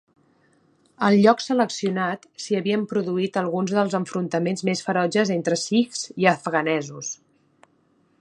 Al lloc seleccionat s'hi havien produït alguns dels enfrontaments més ferotges entre sikhs i afganesos.